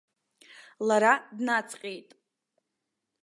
Лара днаҵҟьеит.